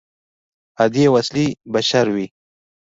عادي او اصلي بشر وي.